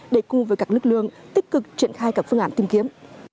để cùng với các lực lượng tích cực triển khai các phương án tìm kiếm